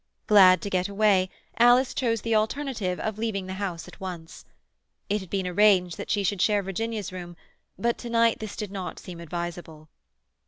Glad to get away, Alice chose the alternative of leaving the house at once. It had been arranged that she should share Virginia's room, but to night this did not seem advisable.